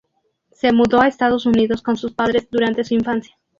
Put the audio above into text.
Se mudó a Estados Unidos con sus padres durante su infancia.